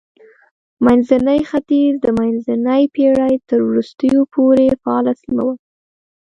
منځنی ختیځ د منځنۍ پېړۍ تر وروستیو پورې فعاله سیمه وه.